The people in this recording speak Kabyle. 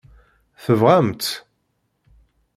Tebɣam-tt?